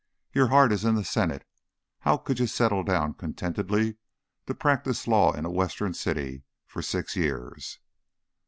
Your heart is in the Senate. How could you settle down contentedly to practise law in a Western city for six years?"